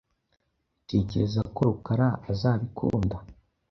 Utekereza ko Rukara azabikunda?